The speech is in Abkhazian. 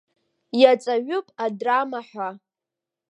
Иаҵаҩуп адрама ҳәа.